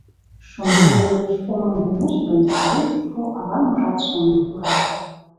Шоҥго велеш омо йомеш гын, вуйышко ала-можат шеҥын пура.